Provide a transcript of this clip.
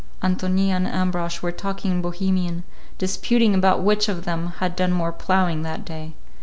Ántonia and Ambrosch were talking in Bohemian; disputing about which of them had done more ploughing that day.